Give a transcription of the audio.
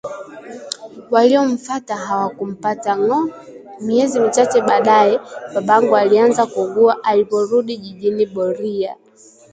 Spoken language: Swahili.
Waliomfata hawakumpata ngo! Miezi michache baadaye, babangu alianza kuugua aliporudi jijini Boria